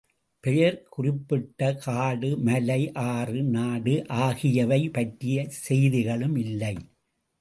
பெயர் குறிப்பிட்ட காடு, மலை, ஆறு, நாடு ஆகியவை பற்றிய செய்திகளும் இல்லை.